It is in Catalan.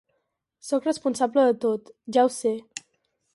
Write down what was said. Sóc responsable de tot, ja ho sé.